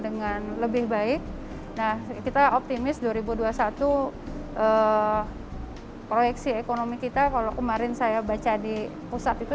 dengan lebih baik nah kita optimis dua ribu dua puluh satu proyeksi ekonomi kita kalau kemarin saya baca di pusat itu